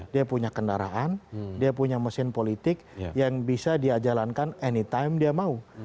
dia punya kendaraan dia punya mesin politik yang bisa dia jalankan anytime dia mau